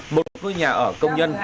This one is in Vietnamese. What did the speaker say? một ngôi nhà ở công nhân